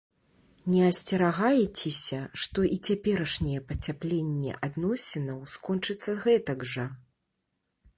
Не асцерагаецеся, што і цяперашняе пацяпленне адносінаў скончыцца гэтак жа?